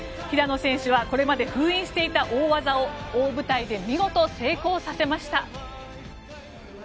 平野選手はこれまで封印していた大技を大舞台で見事成功させました。